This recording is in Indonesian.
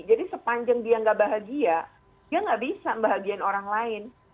jadi sepanjang dia nggak bahagia dia nggak bisa membahagiakan orang lain